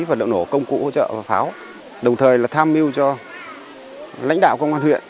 vật liệu nổ công cụ hỗ trợ và pháo đồng thời là tham mưu cho lãnh đạo công an huyện